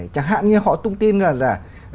chẳng hạn như họ tung tin rằng là